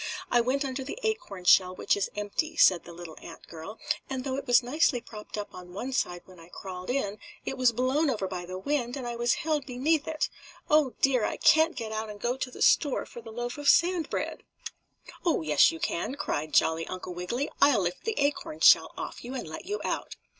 "I went under the acorn shell, which is empty," said the little ant girl, "and though it was nicely propped up on one side when I crawled in, it was blown over by the wind and I was held beneath it. Oh, dear! I can't get out and go to the store for the loaf of sand bread!" "Oh, yes you can!" cried jolly Uncle Wiggily. "I'll lift the acorn shell off you and let you out."